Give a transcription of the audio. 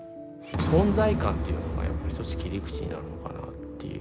存在感っていうのがやっぱり一つ切り口になるのかなっていう。